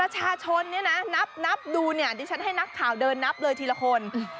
ประชาชนเนี่ยนะนับดูเนี่ยดิฉันให้นักข่าวเดินนับเลยทีละคน